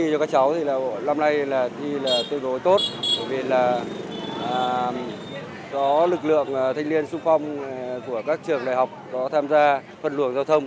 bởi vì là có lực lượng thanh niên xung phong của các trường đại học có tham gia phân luồng giao thông